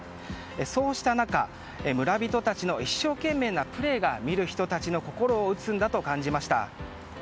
そうした中村人たちの一生懸命なプレーが見る人たちの心を打つんだと感じました。